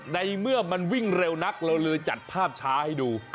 ในเมื่อมันวิ่งเร็วนักเราเลยจัดภาพช้าให้ดู